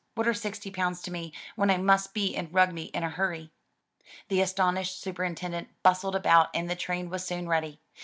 What are sixty pounds to me, when I must be in Rugby in a hurry?*' The astonished superintendent bustled about and the train was soon ready.